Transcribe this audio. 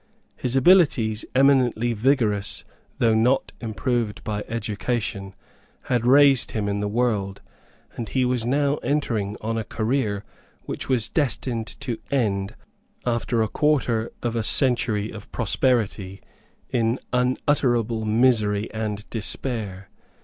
His abilities, eminently vigorous though not improved by education, had raised him in the world; and he was now entering on a career which was destined to end, after a quarter of a century of prosperity, in unutterable misery and despair.